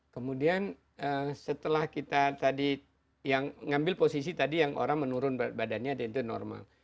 kemudian setelah kita tadi yang ngambil posisi tadi yang orang menurun berat badannya dan itu normal